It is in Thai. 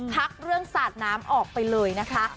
พักเรื่องสาดน้ำออกไปเลยนะคะ